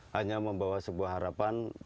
hanya membawa sebuah harapan